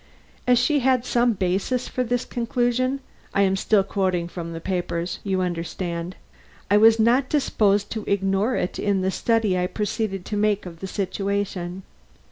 As she had some basis for this conclusion I am still quoting the papers, you understand I was not disposed to ignore it in the study I proceeded to make of the situation.